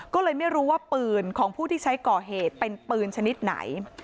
ก็เลยไม่รู้ว่าปืนของผู้ที่ใช้ก่อเหตุเป็นปืนชนิดไหน